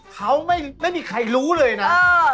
เขาไม่มีใครรู้เลยนะ